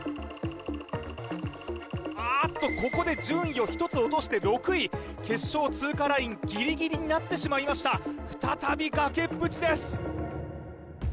あーっとここで順位を１つ落として６位決勝通過ラインギリギリになってしまいました再び崖っぷちです！